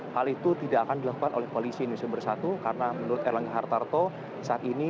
hal itu tidak akan dilakukan oleh polisi indonesia bersatu karena menurut erlangga hartarto saat ini